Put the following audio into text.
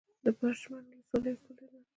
د پرچمن ولسوالۍ ښکلې ده